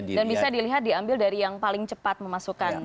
dan bisa dilihat diambil dari yang paling cepat memasukkan